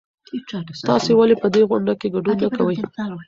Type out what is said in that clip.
تاسې ولې په دې غونډه کې ګډون نه کوئ؟